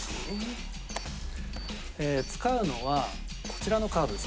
使うのはこちらのカードです。